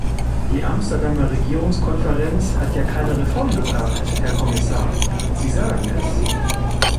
Die Amsterdamer Regierungskonferenz hat ja keine Reform gebracht, Herr Kommissar, Sie sagen es.